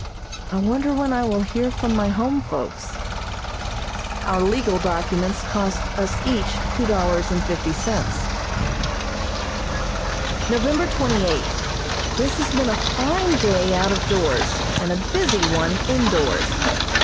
I wonder when I will hear from my home folks? Our legal documents cost us each $2.50. November twenty eighth: This has been a fine day out of doors, and a busy one indoors.